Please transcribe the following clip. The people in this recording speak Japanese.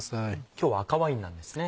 今日は赤ワインなんですね。